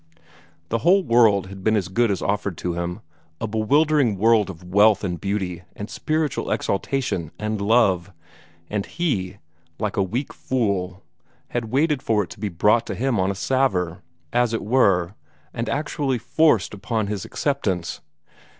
The whole world had been as good as offered to him a bewildering world of wealth and beauty and spiritual exaltation and love and he, like a weak fool, had waited for it to be brought to him on a salver, as it were, and actually forced upon his acceptance!